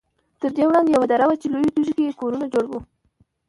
تر دې وړاندې یوه دره وه چې لویو تیږو کې کورونه جوړ وو.